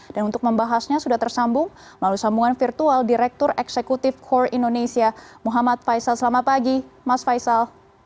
dan untuk membahasnya sudah tersambung melalui sambungan virtual direktur eksekutif core indonesia muhammad faisal selamat pagi mas faisal